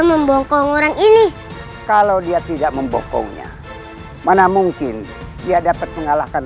membongkong orang ini kalau dia tidak membokongnya mana mungkin dia dapat mengalahkan